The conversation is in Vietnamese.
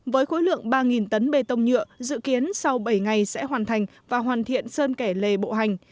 với khối lượng ba tấn bê tông nhựa dự kiến sau bảy ngày sẽ hoàn thành và hoàn thiện sơn kẻ lề bộ hành